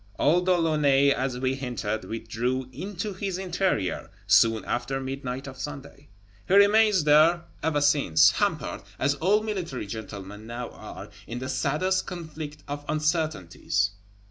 Old De Launay, as we hinted, withdrew "into his interior" soon after midnight of Sunday. He remains there ever since, hampered, as all military gentlemen now are, in the saddest conflict of uncertainties.